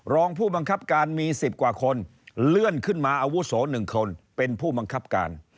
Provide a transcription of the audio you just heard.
รองผู้บังคับการมี๑๐กว่าคนเลื่อนขึ้นมาอาวุโส๑คนเป็นผู้บังคับการ